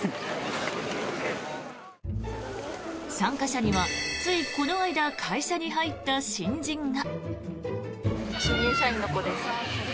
参加者にはついこの間会社に入った新人が。